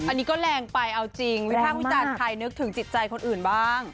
อันนี้ก็แรงไปเอาจริงวิภาควิจารณ์ใครนึกถึงจิตใจคนอื่นบ้าง